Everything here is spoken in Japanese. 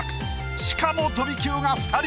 しかも飛び級が２人。